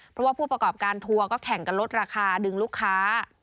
เพราะว่าผู้ประกอบการทัวร์ก็แข่งกันลดราคาดึงลูกค้า